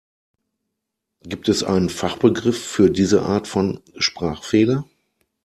Gibt es einen Fachbegriff für diese Art von Sprachfehler?